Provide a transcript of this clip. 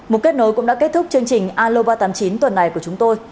một kết nối cũng đã kết thúc chương trình aloba tám mươi chín tuần này của chúng tôi